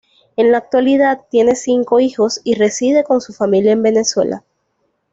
En la actualidad tiene cinco hijos y reside con su familia en Venezuela.